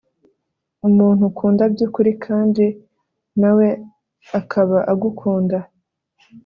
umuntu ukunda by ukuri kandi na we akaba agukunda